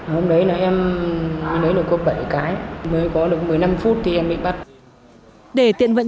hôm đấy là em lấy được có bảy cái mới có được một mươi năm phút thì em bị bắt